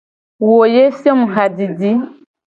Wo ye fio mu hajiji.